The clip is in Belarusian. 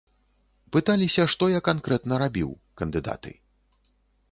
Пыталіся, што я канкрэтна рабіў, кандыдаты.